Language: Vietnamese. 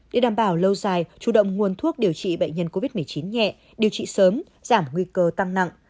để đảm bảo lâu dài chủ động nguồn thuốc điều trị bệnh nhân covid một mươi chín nhẹ điều trị sớm giảm nguy cơ tăng nặng